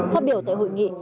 phát biểu tại hội nghị